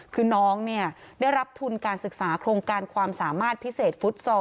คือน้องได้รับทุนการศึกษาโครงการความสามารถพิเศษฟุตซอล